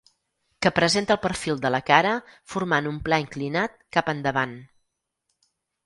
Que presenta el perfil de la cara formant un pla inclinat cap endavant.